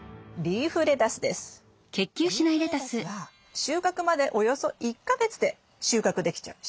リーフレタスは収穫までおよそ１か月で収穫できちゃう。